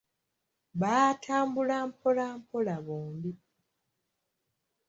Baatambula mpola mpola bombi.